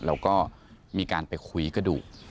เราก็มีการไปคุยกระดูก